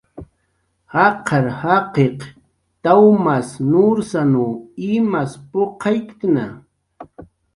Jaqar jaqiq tawmanw nursanw imas puqayktna